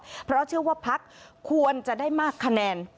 เพราะเชื่อว่าพักควรจะได้มากคะแนน